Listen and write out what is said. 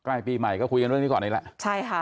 ใกล้ปีใหม่ก็คุยกันเรื่องนี้ก่อนอีกแล้ว